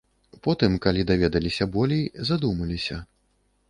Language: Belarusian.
Потым, калі даведаліся болей, задумаліся.